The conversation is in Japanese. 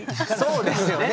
そうですよね。